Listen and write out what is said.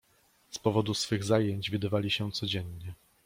Z powodu swych zajęć widywali się codziennie.